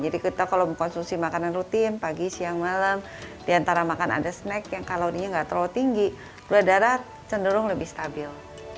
jadi kita kalau mengkonsumsi makanan rutin pagi siang malam diantara makan ada snack yang kalau ini tidak terlalu tinggi gula darah cenderung lebih stabil